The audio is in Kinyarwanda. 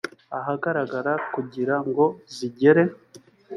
ahagaragara kugira ngo zigere